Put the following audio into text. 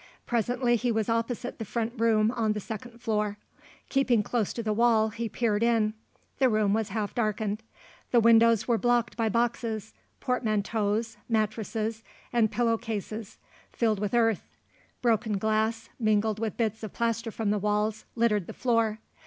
Presently he was opposite the front room on the second floor. Keeping close to the wall he peered in. The room was half darkened. The windows were blocked by boxes, portmanteaus, mattresses, and pillow cases filled with earth; broken glass, mingled with bits of plaster from the walls, littered the floor.